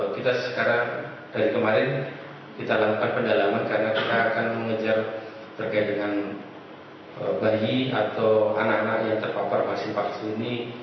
kita sekarang dari kemarin kita lakukan pendalaman karena kita akan mengejar terkait dengan bayi atau anak anak yang terpapar vaksin vaksin ini